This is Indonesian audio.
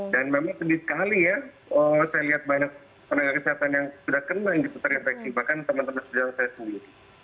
dan memang sedih sekali ya saya lihat banyak tenaga kesehatan yang sudah kena yang terinfeksi bahkan teman teman sejauh saya dulu